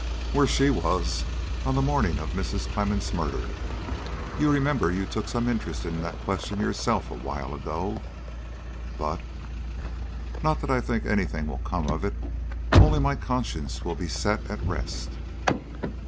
"Where she was on the morning of Mrs. Clemmens' murder. You remember you took some interest in that question yourself a while ago." "But " "Not that I think any thing will come of it, only my conscience will be set at rest."